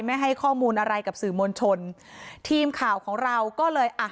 ไม่ให้ข้อมูลอะไรกับสื่อมวลชนทีมข่าวของเราก็เลยอ่ะ